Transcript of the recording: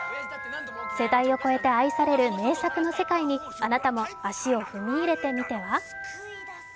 世代を超えて愛される名作の世界にあなたも足を踏み入れてみては？